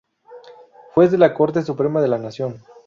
Juez de la Corte Suprema de la Nación.